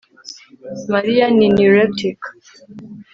Mariya ni neurotic